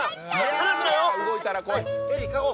離すなよ！